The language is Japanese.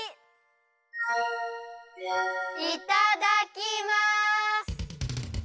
いただきます！